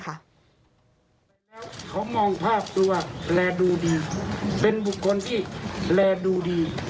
แล้วเขามองภาพตัวแลดูดีเป็นบุคคลที่แลดูดี